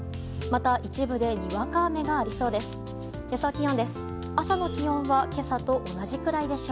また、一部でにわか雨がありそうです。